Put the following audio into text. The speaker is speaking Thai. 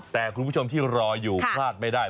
แต่คุณผู้ชมที่รออยู่พลาดไม่ได้